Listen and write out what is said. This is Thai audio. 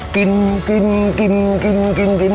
กินกินกินกินกินกิน